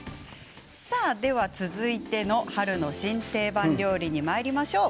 続いての春の新定番料理にまいりましょう。